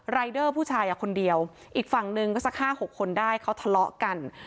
รายเดอร์ผู้ชายคนเดียวอีกฝั่งหนึ่งก็สัก๕๖คนได้เขาทะเลาะกัน